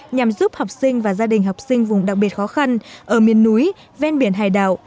nhằm giúp học sinh và gia đình học sinh vùng đặc biệt khó khăn ở miền núi ven biển hải đảo